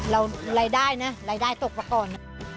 รายได้นะรายได้ตกมาก่อน